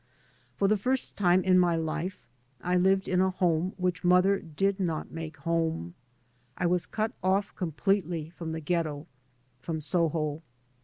For the first time in my life I lived in a home which mother did not make home. I was cut ofi completely from the ghetto, from Soho.